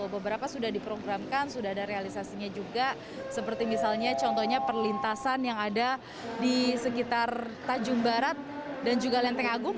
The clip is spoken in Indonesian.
beberapa sudah diprogramkan sudah ada realisasinya juga seperti misalnya contohnya perlintasan yang ada di sekitar tajung barat dan juga lenteng agung